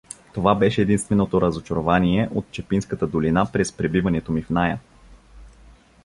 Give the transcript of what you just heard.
Това беше единственото разочарование от Чепинската долина през пребиването ми в ная.